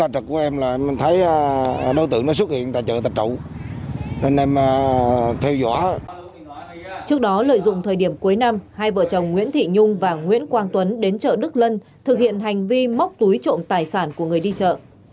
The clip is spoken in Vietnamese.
trước đó lợi dụng thời điểm cuối năm hai vợ chồng nguyễn thị nhung và nguyễn quang tuấn đến chợ đức lân thực hiện hành vi móc túi trộm tài sản của người đi chợ